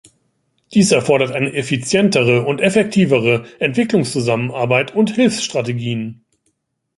Dies erfordert eine effizientere und effektivere Entwicklungszusammenarbeit und Hilfsstrategien.